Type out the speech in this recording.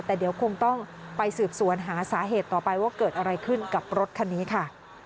แต่เดี๋ยวคงต้องไปสืบสวนหาสาเหตุต่อไปว่าเกิดอะไรขึ้นกับรถคันนี้ค่ะ